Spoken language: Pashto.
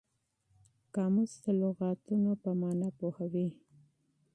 قاموس د لغتونو په مانا پوهوي.